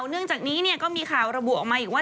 เนื่องจากนี้ก็มีข่าวระบุออกมาอีกว่า